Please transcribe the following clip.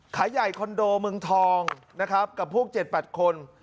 ขายใหญ่คอนโดเมืองทองนะครับกับพวก๗๘คน